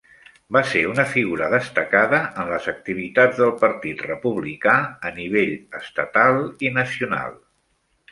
Va ser una figura destacada en les activitats del Partit Republicà a nivell estatal i nacional.